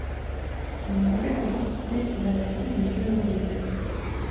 Une bouffée de fétidité l'avertit du lieu où il était.